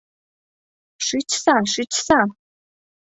Шичса, шичса!..